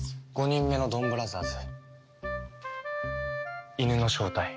５人目のドンブラザーズイヌの正体。